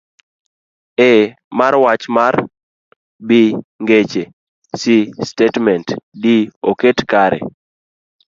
A. mar Wach mar B. Ngeche C. Statement D. oket kare